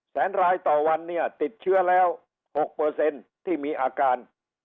แสนรายต่อวันเนี่ยติดเชื้อแล้ว๖ที่มีอาการ